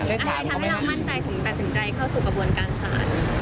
มันจะทำให้มันต้องมั่นใจถึงตัดสินใจเท่ากับกระบวนการสาหาร